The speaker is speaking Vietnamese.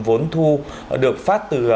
vốn thu được phát từ